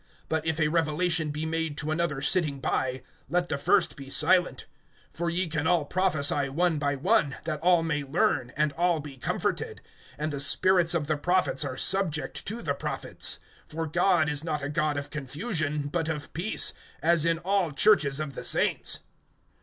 (30)But if a revelation be made to another sitting by, let the first be silent. (31)For ye can all prophesy one by one, that all may learn, and all be comforted. (32)And the spirits of the prophets are subject to the prophets. (33)For God is not a God of confusion, but of peace, as in all churches of the saints.